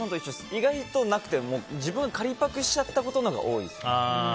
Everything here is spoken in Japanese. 意外となくて、自分が借パクしちゃったことのほうが多いですね。